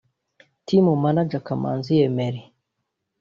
Team Manager Kamanzi Emery